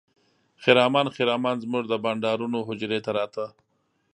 خرامان خرامان زموږ د بانډارونو حجرې ته راته.